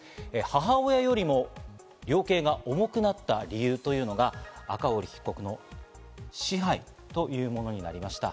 母親よりも量刑が重くなった理由というのが、赤堀被告の支配というものになりました。